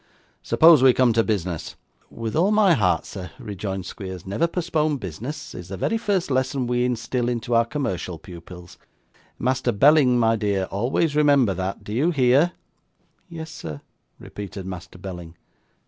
Suppose we come to business?' 'With all my heart, sir,' rejoined Squeers. '"Never postpone business," is the very first lesson we instil into our commercial pupils. Master Belling, my dear, always remember that; do you hear?' 'Yes, sir,' repeated Master Belling.